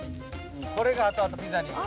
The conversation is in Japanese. これがあとあとピザになる。